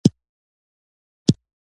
وطن زموږ د مور په څېر دی.